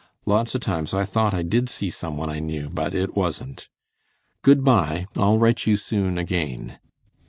Lots of times I though I did see some one I knew but it wasn't. Good by, I'll write you soon again.